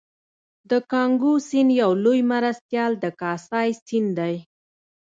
د کانګو سیند یو لوی مرستیال د کاسای سیند دی